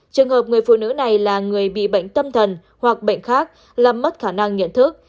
trường hợp người phụ nữ này là người bị bệnh tâm thần hoặc bệnh khác làm mất khả năng nhận thức